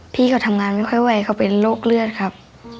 พี่ก็ทำงานไม่ค่อยไหวเขาเป็นโรคเลือดครับ